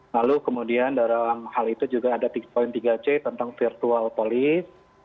lalu kemudian dalam hal itu juga ada poin tiga c tentang virtual police